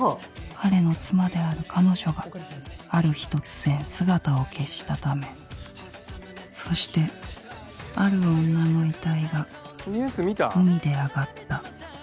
彼の妻である彼女がある日突然姿を消したためそしてある女の遺体が海で上がったニュース見た？